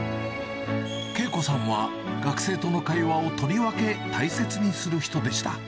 恵子さんは学生との会話をとりわけ大切にする人でした。